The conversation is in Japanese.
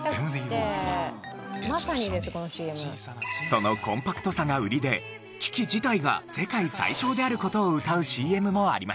そのコンパクトさが売りで機器自体が世界最小である事をうたうＣＭもありました。